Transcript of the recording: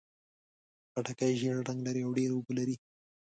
خټکی ژېړ رنګ لري او ډېر اوبه لري.